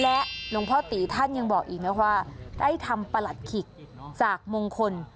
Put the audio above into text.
และหลวงพ่อตีท่านยังบอกอีกนะว่าได้ทำประหลัดขิกจากมงคล